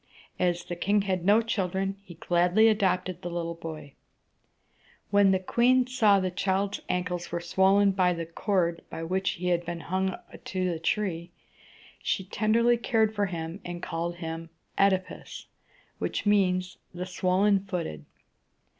As the king had no children, he gladly adopted the little boy. When the queen saw that the child's ankles were swollen by the cord by which he had been hung to the tree, she tenderly cared for him, and called him OEd´i pus, which means "the swollen footed."